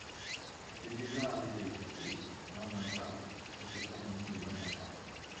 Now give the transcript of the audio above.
C’est déjà arrivé et, dans un cas, ça s’est terminé au Bataclan.